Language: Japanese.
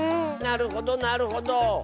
なるほどなるほど。